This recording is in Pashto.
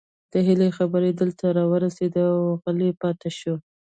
د هيلې خبرې دلته راورسيدې او غلې پاتې شوه